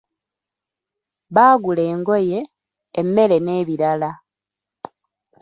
Baagula engoye, emmere n'ebirala.